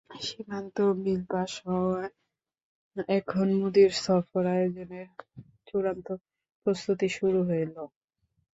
সীমান্ত bill pass হওয়ায় এখন মোদির সফর আয়োজনের চূড়ান্ত প্রস্তুতি শুরু হলো।